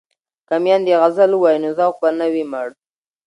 که میندې غزل ووايي نو ذوق به نه وي مړ.